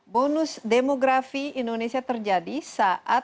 bonus demografi indonesia terjadi saat